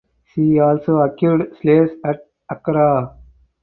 She also acquired slaves at Accra.